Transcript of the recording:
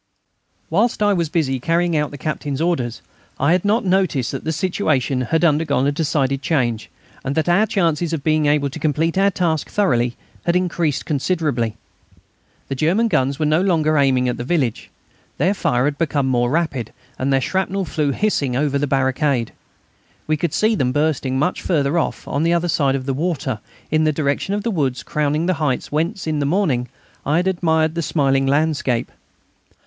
Whilst I was busy carrying out the Captain's orders I had not noticed that the situation had undergone a decided change, and that our chances of being able to complete our task thoroughly had increased considerably. The German guns were no longer aiming at the village. Their fire had become more rapid, and their shrapnel flew hissing over the brigade. We could see them bursting much further off, on the other side of the water, in the direction of the woods crowning the heights whence, in the morning, I had admired the smiling landscape.